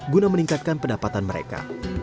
guna meningkatkan pendapatan mereka